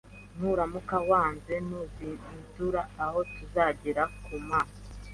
Nuramuka wanze, ntusindira aha tuzagera ku Mana